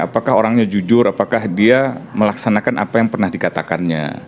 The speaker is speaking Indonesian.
apakah orangnya jujur apakah dia melaksanakan apa yang pernah dikatakannya